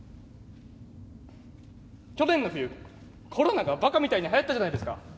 去年の冬コロナがバカみたいにはやったじゃないですか。